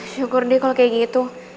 syukur deh kalau kayak gitu